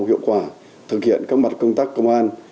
hiệu quả thực hiện các mặt công tác công an